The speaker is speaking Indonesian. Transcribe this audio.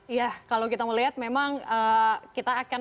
iya kalau kita melihat memang kita akan